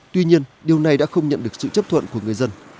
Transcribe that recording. tuy nhiên điều này đã không nhận được sự chấp thuận của người dân